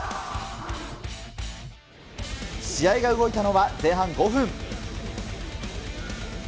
試合が動いたのは、前半５分。